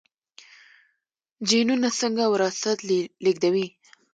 جینونه څنګه وراثت لیږدوي؟